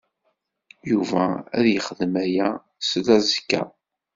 Yuba ad yexdem aya slazekka.